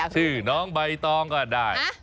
ชื่อน้องใบตองก็ได้